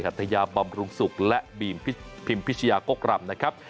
ฮัตยาบำรุงศุกร์และพิมพิชยากกรรมนะครับ